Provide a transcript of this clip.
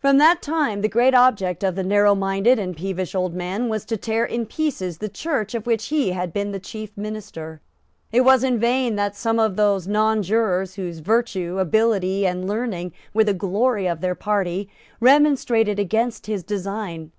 From that time the great object of the narrowminded and peevish old man was to tear in pieces the Church of which he had been the chief minister. It was in vain that some of those nonjurors, whose virtue, ability and learning were the glory of their party, remonstrated against his design.